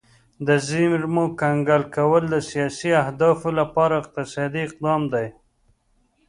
د زیرمو کنګل کول د سیاسي اهدافو لپاره اقتصادي اقدام دی